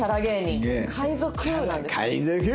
海賊！